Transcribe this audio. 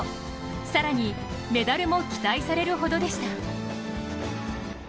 更にメダルも期待されるほどでした。